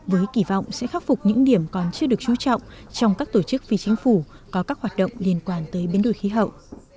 với kỳ vọng sẽ khắc phục những điểm còn chưa được chú trọng trong các tổ chức phi chính phủ có các hoạt động liên quan tới biến đổi khí hậu